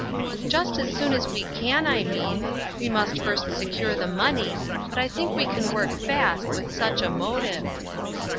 " Just as soon as we can, I mean. We must first secure the money; but I think we can work fast, with such a motive."